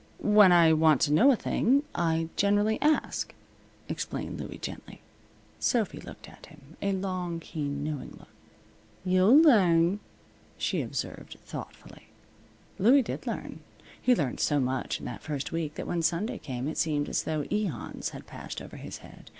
"When I want to know a thing, I generally ask," explained Louie, gently. Sophy looked at him a long, keen, knowing look. "You'll learn," she observed, thoughtfully. Louie did learn. He learned so much in that first week that when Sunday came it seemed as though aeons had passed over his head.